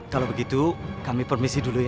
kalau begitu kami permisi dulu ya